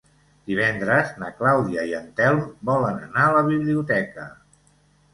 Divendres na Clàudia i en Telm volen anar a la biblioteca.